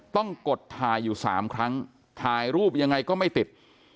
กดถ่ายอยู่๓ครั้งถ่ายรูปยังไงก็ไม่ติด